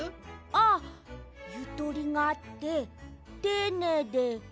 あゆとりがあってていねいで。